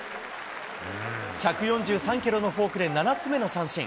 １４３キロのフォークで７つ目の三振。